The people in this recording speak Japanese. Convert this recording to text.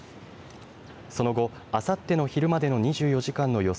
その後あさっての昼までの２４時間の予想